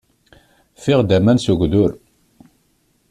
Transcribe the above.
Ffiɣ-d aman s ugdur.